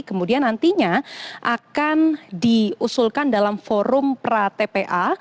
kemudian nantinya akan diusulkan dalam forum pra tpa